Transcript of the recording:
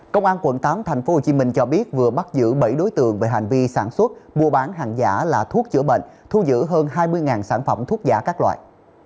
công an quận tám tp hcm cho biết vừa bắt giữ bảy đối tượng về hành vi sản xuất mua bán hàng giả là thuốc chữa bệnh thu giữ hơn hai mươi sản phẩm thuốc giả các loại